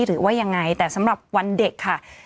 หรือว่ายังไงแต่สำหรับวันเด็กค่ะ